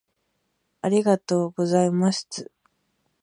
ありがとうございますつ